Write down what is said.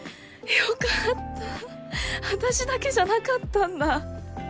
よかった私だけじゃなかったんだ